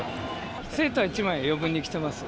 セーター１枚、余分に着てます。